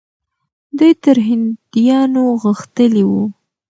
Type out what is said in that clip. دوی تر هندیانو غښتلي وو.